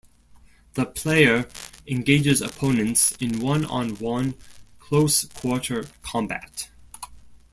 The player engages opponents in one-on-one close quarter combat.